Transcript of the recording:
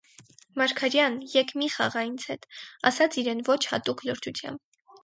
- Մարգարյան, եկ մի՛ խաղա ինձ հետ,- ասաց իրեն ոչ հատուկ լրջությամբ: